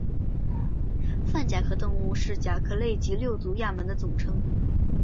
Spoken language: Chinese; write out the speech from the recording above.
泛甲壳动物是甲壳类及六足亚门的总称。